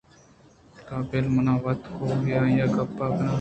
تو بِل من وت گوں آئی ءَ گپ کناں